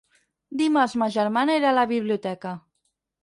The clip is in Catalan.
Dimarts ma germana irà a la biblioteca.